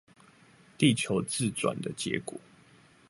地球自轉的結果